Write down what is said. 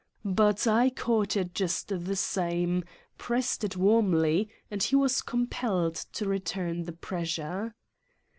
But I caught it just the same, pressed it warmly and he was com pelled to return the pressure!